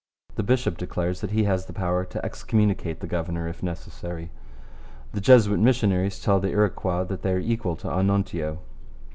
The bishop declares that he has the power to excommunicate the governor if necessary. The Jesuit missionaries tell the Iroquois that they are equal to Onontio.